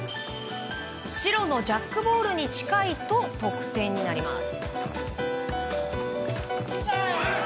白のジャックボールに近いと得点になります。